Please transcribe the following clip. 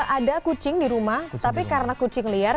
ada kucing di rumah tapi karena kucing liar